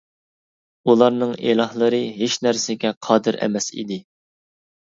ئۇلارنىڭ ئىلاھلىرى ھېچ نەرسىگە قادىر ئەمەس ئىدى.